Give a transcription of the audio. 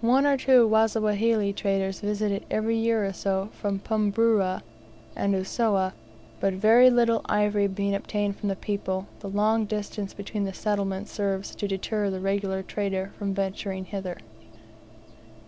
One or two Wasawahili traders visit it every year or so from Pumburu and Usowa; but very little ivory being obtained from the people, the long distance between the settlements serves to deter the regular trader from venturing hither.